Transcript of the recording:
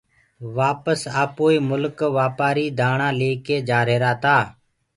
وآپس آپوئي ملڪ وآپآري دآڻآ ليڪي جآريهرآ تآ